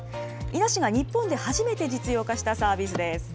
伊那市が日本で初めて実用化したサービスです。